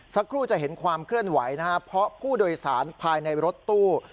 สักครู่จะเห็นความเคลื่อนไหวนะครับเพราะผู้โดยสารภายในรถตู้